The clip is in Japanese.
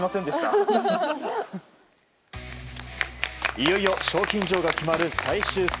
いよいよ賞金女王が決まる最終戦。